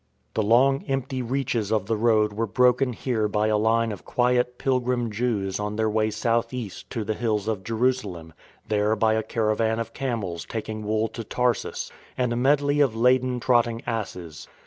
20 PROLOGUE The long empty reaches of the road were broken here by a line of quiet Pilgrim Jews on their way South East to the hills of Jerusalem, there by a cara van of camels taking wool to Tarsus, and a medley of laden trotting asses.